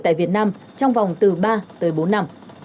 tại việt nam trong vòng từ ba tới bốn năm